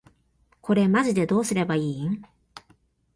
これマジでどうすれば良いん？